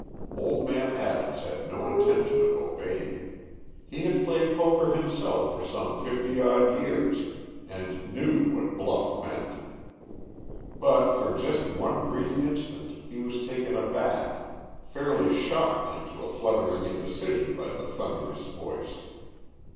_" Old man Adams had no intention of obeying; he had played poker himself for some fifty odd years and knew what bluff meant. But for just one brief instant he was taken aback, fairly shocked into a fluttering indecision by the thunderous voice.